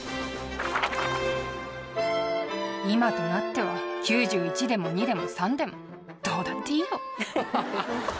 今となっては９１でも２でも３でも、どうだっていいよ。